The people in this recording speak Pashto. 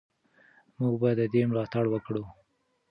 موږ باید د ده ملاتړ وکړو.